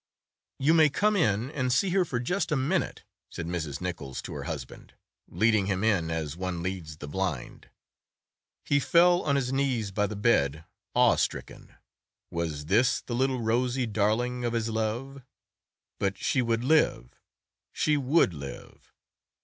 "You may come in and see her for just a minute," said Mrs. Nichols to her husband, leading him in as one leads the blind. He fell on his knees by the bed, awestricken. Was this the little rosy darling of his love? But she would live—she would live!